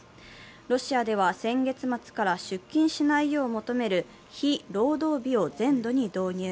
ロシアでは先月末から出勤しないよう求める非労働日を全土に導入。